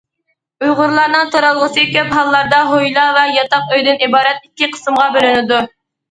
ئۇيغۇرلارنىڭ تۇرالغۇسى كۆپ ھاللاردا ھويلا ۋە ياتاق ئۆيدىن ئىبارەت ئىككى قىسىمغا بۆلىنىدۇ.